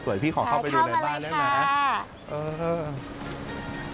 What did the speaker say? สวยพี่ขอเข้าไปดูในบ้านด้วยนะข้าเข้ามาเลยค่ะ